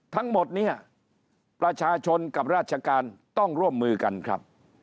ทั้งหมดเนี่ยประชาชนกับราชการต้องร่วมมือกันครับ